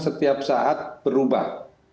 setiap saat berubah